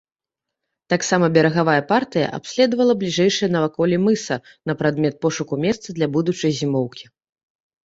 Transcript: Таксама берагавая партыя абследавала бліжэйшыя наваколлі мыса на прадмет пошуку месца для будучай зімоўкі.